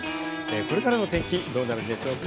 これからの天気はどうなるでしょうか？